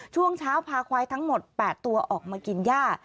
ช่วงเช้าพาควายทั้งหมด๘ตัวออกมากินย่า